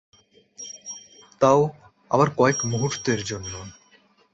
তা-ও আবার কয়েক মুহূর্তের জন্য।